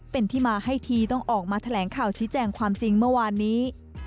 เป็นที่มาให้ทีต้องออกมาแถลงข่าวชี้แจงความจริงเมื่อวานนี้